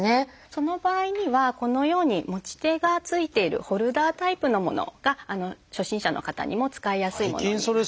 その場合にはこのように持ち手がついているホルダータイプのものが初心者の方にも使いやすいものになっています。